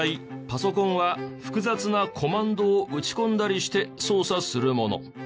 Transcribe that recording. パソコンは複雑なコマンドを打ち込んだりして操作するもの。